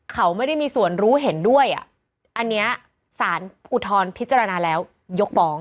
เขาไม่ได้มีส่วนรู้เห็นด้วยอ่ะอันนี้สารอุทธรณ์พิจารณาแล้วยกฟ้อง